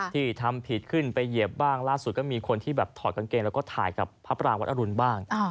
ที่ทำผิดขึ้นไปเหยียบบ้างล่าสุดก็มีคนที่แบบถอดกางเกงแล้วก็ถ่ายกับพระปรางวัดอรุณบ้าง